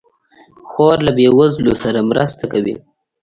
خور له بېوزلو سره مرسته کوي.